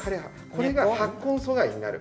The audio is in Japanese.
これが発根阻害になる。